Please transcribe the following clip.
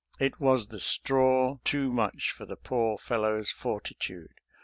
It was the straw too much for the poor fellow's fortitude.